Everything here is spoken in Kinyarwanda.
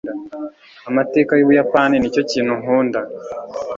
amateka yu buyapani nicyo kintu nkunda